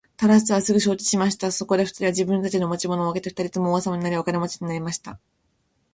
タラスはすぐ承知しました。そこで二人は自分たちの持ち物を分けて二人とも王様になり、お金持になりました。